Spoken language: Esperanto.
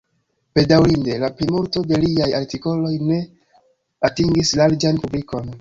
Bedaŭrinde, la plimulto de liaj artikoloj ne atingis larĝan publikon.